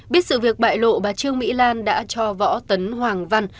biết sự việc bại lộ bà trương mỹ lan đã cho võ tấn hoàng văn